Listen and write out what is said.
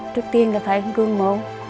trước tiên là phải cương mẫu